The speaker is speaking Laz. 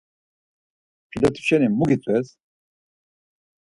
Pilot̆i şeni mu gitzves?